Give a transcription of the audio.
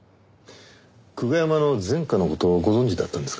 久我山の前科の事ご存じだったんですか？